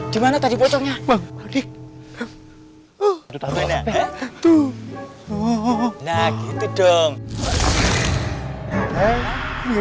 gimana tadi bocoknya